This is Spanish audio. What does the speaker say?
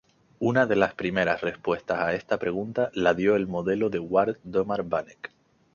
Una de las primeras respuestas a esta pregunta la dio el Modelo de Ward-Domar-Vanek.